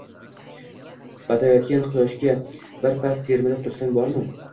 botayotgan quyoshga birpas termilib tursang bormi...